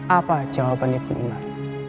apa jawaban ibnu umar